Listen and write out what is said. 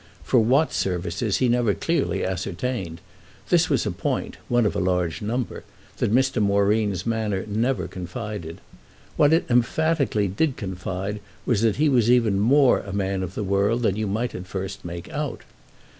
For what services he never clearly ascertained: this was a point—one of a large number—that Mr. Moreen's manner never confided. What it emphatically did confide was that he was even more a man of the world than you might first make out.